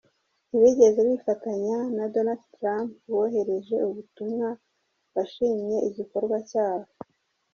Ntibigeze bifatanya na Donald Trump wohereje ubutumwa, washimye "igikorwa cyabo.